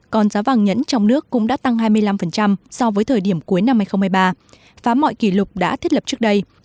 còn giá vàng nhẫn trong nước cũng đã tăng hai mươi năm so với thời điểm cuối năm hai nghìn hai mươi ba phá mọi kỷ lục đã thiết lập trước đây